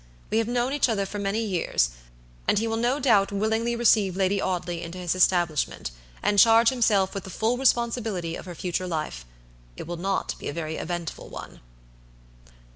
We have known each other for many years, and he will no doubt willingly receive Lady Audley into his establishment, and charge himself with the full responsibility of her future life; it will not be a very eventful one!"